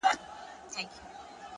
هره هڅه د داخلي ودې برخه ده.!